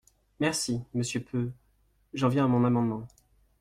Merci, monsieur Peu… J’en viens à mon amendement.